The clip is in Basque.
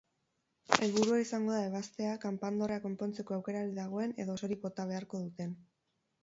Helburua izango da ebaztea kanpandorrea konpontzeko aukerarik dagoen edo osorik bota beharko duten.